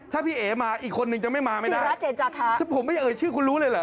ถ้าพี่เอ๋มาอีกคนนึงจะไม่มาไม่ได้ถ้าผมไม่เอ่ยชื่อคุณรู้เลยเหรอ